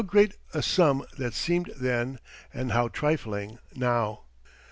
How great a sum that seemed then and how trifling now!